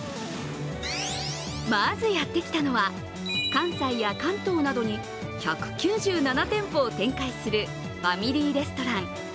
まずやってきたのは関西や関東などに１９７店舗を展開するファミリーレストラン